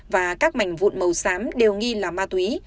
và các mảnh vụn màu xám đều nghi là ma túy